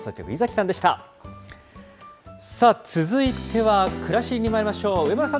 さあ、続いてはくらしりにまいりましょう。